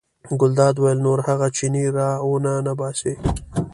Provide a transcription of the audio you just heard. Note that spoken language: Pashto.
ګلداد وویل نور هغه چینی را ونه ننباسئ.